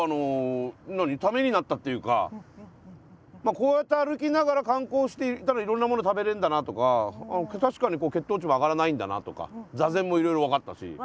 こうやって歩きながら観光していたらいろんなもの食べれるんだなとか確かに血糖値も上がらないんだなとか座禅もいろいろ分かったし。